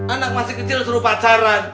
anak masih kecil suruh pacaran